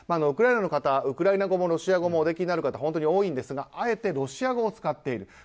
ウクライナの方はウクライナ語もロシア語もおできになる方本当に多いんですがあえてロシア語を使っている。